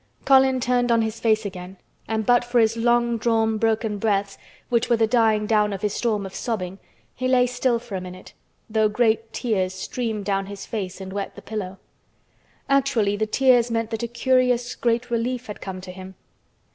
Colin turned on his face again and but for his long drawn broken breaths, which were the dying down of his storm of sobbing, he lay still for a minute, though great tears streamed down his face and wet the pillow. Actually the tears meant that a curious great relief had come to him.